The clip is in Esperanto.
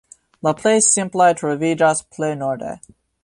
La plej simplaj troviĝas plej norde.